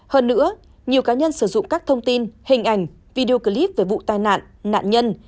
hơn nữa nhiều cá nhân sử dụng các thông tin hình ảnh video clip về vụ tai nạn nạn nhân